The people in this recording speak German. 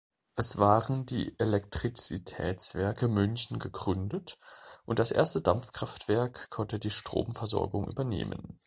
Es waren die Elektrizitätswerke München gegründet und das erste Dampfkraftwerk konnte die Stromversorgung übernehmen.